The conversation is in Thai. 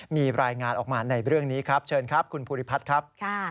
มีรายงานออกมาในเรื่องนี้ครับเชิญครับคุณภูริพัฒน์ครับ